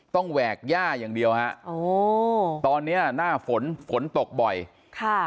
แหวกย่าอย่างเดียวฮะโอ้ตอนเนี้ยหน้าฝนฝนตกบ่อยค่ะ